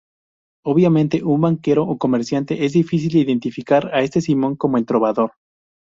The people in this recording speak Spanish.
Obviamente un banquero o comerciante, es difícil identificar a este Simon como el trovador.